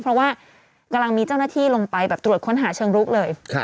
เพราะว่ากำลังมีเจ้าหน้าที่ลงไปแบบตรวจค้นหาเชิงรุกเลย